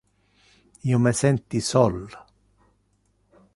Io me senti sol.